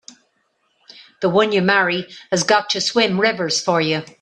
The one you marry has got to swim rivers for you!